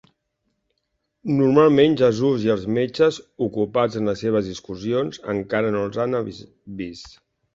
Normalment, Jesús i els metges, ocupats en les seves discussions, encara no els han vist.